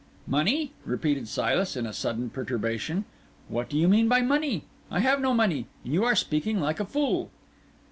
"Money?" repeated Silas, in a sudden perturbation. "What do you mean by money? I have no money, and you are speaking like a fool."